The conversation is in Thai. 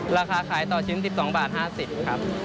ราคาขายต่อชิ้น๑๒บาท๕๐ครับ